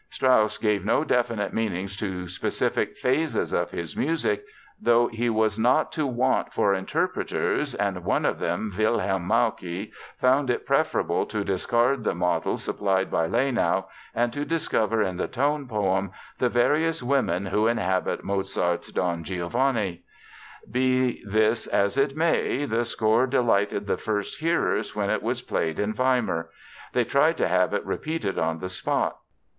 Strauss gave no definite meanings to specific phases of his music, though he was not to want for interpreters and one of them, Wilhelm Mauke, found it preferable to discard the model supplied by Lenau and to discover in the tone poem the various women who inhabit Mozart's Don Giovanni. Be this as it may, the score delighted the first hearers when it was played in Weimar; they tried to have it repeated on the spot.